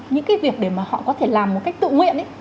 những cái việc để mà họ có thể làm một cách tự nguyện ấy